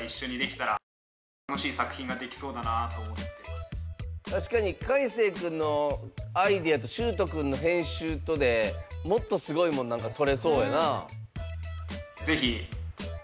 ⁉だから確かにかいせい君のアイデアとしゅうと君の編集とでもっとすごいもん何か撮れそうやな。